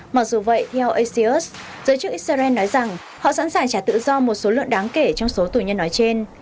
mặc dù vậy theo asios giới chức israel nói rằng họ sẵn sàng trả tự do một số lượng đáng kể trong số tù nhân nói trên